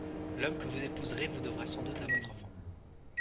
L'homme que vous épouserez vous devra sans doute à votre enfant.